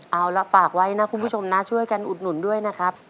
เอาล่ะฝากไว้นะคุณผู้ชมนะช่วยกันอุดหนุนด้วยนะครับ